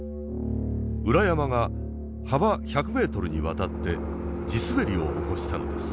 裏山が幅１００ｍにわたって地滑りを起こしたのです。